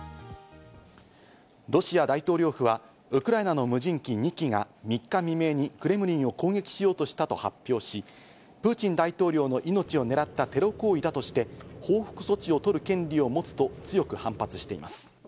ロシア大統領府はウクライナの無人機２機が３日未明にクレムリンを攻撃しようとしたと発表し、プーチン大統領の命をねらったテロ行為だとして報復措置を取る権利を持つと強く反発しています。